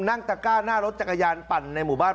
ตะก้าหน้ารถจักรยานปั่นในหมู่บ้าน